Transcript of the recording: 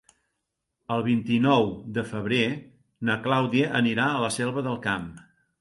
El vint-i-nou de febrer na Clàudia anirà a la Selva del Camp.